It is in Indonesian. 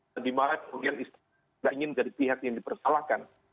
dan dimana kemudian tidak ingin dari pihak yang dipersalahkan